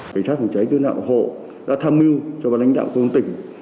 cảnh sát phòng cháy chữa cháy đã tham mưu cho bản lãnh đạo công tỉnh